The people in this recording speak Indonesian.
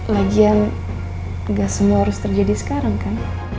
lagian gak semua harus terjadi sekarang kan